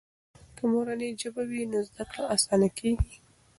که مورنۍ ژبه وي نو زده کړه آسانه کیږي.